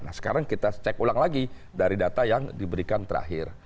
nah sekarang kita cek ulang lagi dari data yang diberikan terakhir